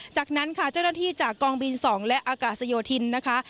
จากนั้นค่ะเจ้าหน้าที่จากกองบิน๒และอากาศโยธินนะคะ